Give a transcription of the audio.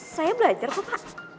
saya belajar kok pak